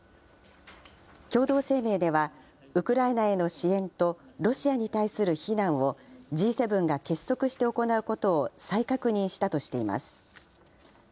共同声明では、ウクライナへの支援とロシアに対する非難をＧ７が結束して行うことを再確認したとしています。